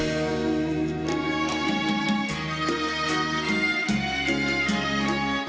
เพลงแรกของเจ้าเอ๋ง